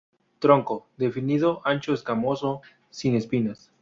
Tronco: definido, ancho, escamoso, sin espinas.